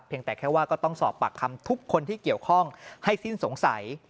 แต่แค่ว่าก็ต้องสอบปากคำทุกคนที่เกี่ยวข้องให้สิ้นสงสัย